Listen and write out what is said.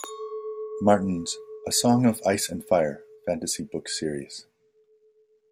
Martin's "A Song of Ice and Fire" fantasy book series.